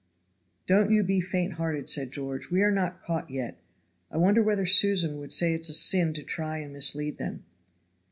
"Don't you be faint hearted," said George. "We are not caught yet. I wonder whether Susan would say it was a sin to try and mislead them?"